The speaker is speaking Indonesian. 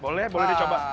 boleh boleh dicoba